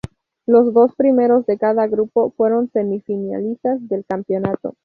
Los dos primeros de cada grupo fueron semifinalistas del campeonato.